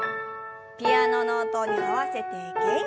ピアノの音に合わせて元気よく。